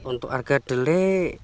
untuk harga kedelai